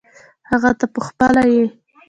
هغه ته پخپله یې .